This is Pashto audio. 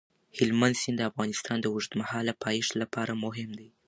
هلمند سیند د افغانستان د اوږدمهاله پایښت لپاره مهم دی.